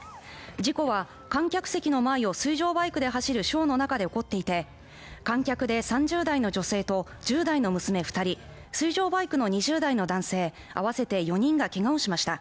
事故は観客席の前を水上バイクで走るショーの中で起こっていて、観客で３０代の女性と１０代の娘２人、水上バイクの２０代の男性、合わせて４人がけがをしました。